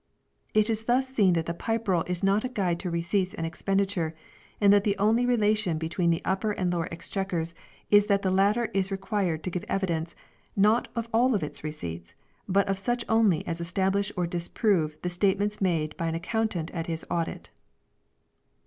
It is thus seen that the Pipe Roll is not a guide to receipts and expenditure, and that the only relation between the Upper and Lower Exchequers is that the latter is required to give evidence, not of all its receipts, but of such only as establish or disprove the state ments made by an accountant at his Audit.